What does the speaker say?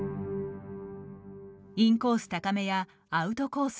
インコース高めやアウトコース